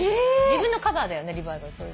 自分のカバーだよねリバイバル。